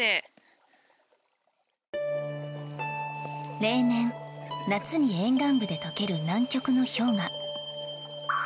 例年、夏に沿岸部で解ける南極の氷河。